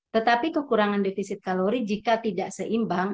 tetapi kekurangan defisit kalori jika tidak seimbang